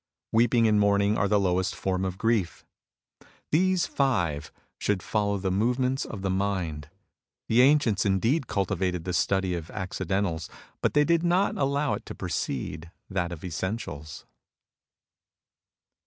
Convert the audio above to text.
Weeping and mourning are the lowest form of grief. These five should follow the movements of the mind. The ancients indeed cultivated the study of accidentals, but they did not allow it to precede that of essentials.